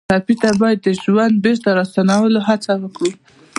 ټپي ته باید د ژوند بېرته راستنولو هڅه وکړو.